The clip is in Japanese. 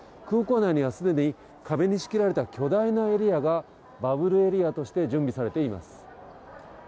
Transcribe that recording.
空港内にはすでに、壁に仕切られた巨大なエリアが、バブルエリアとして準備されています。